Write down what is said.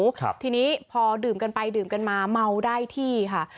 ครับทีนี้พอดื่มกันไปดื่มกันมาเมาได้ที่ค่ะ